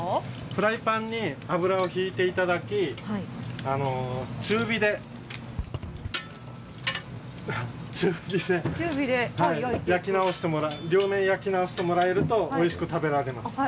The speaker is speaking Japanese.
フライパンに油を引いていただき、中火で両面焼き直してもらえると、おいしく食べられます。